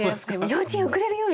「幼稚園遅れるよ！」